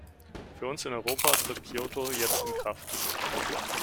Für uns in Europa tritt Kyoto jetzt in Kraft.